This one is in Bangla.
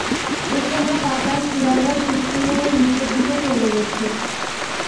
এখানে পাতার শিরাটা সূক্ষ্ম হয়ে নিচের দিকে চলে গেছে।